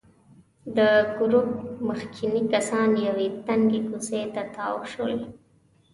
د ګروپ مخکېني کسان یوې تنګې کوڅې ته تاو شول.